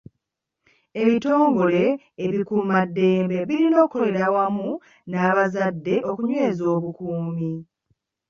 Ebitongole ebikuumaddembe birina okukolera awamu n'abazadde okunyweza obukuumi.